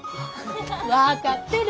分かってる。